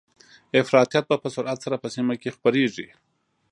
افراطيت به په سرعت سره په سیمه کې خپریږي